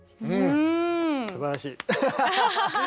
うんすばらしい。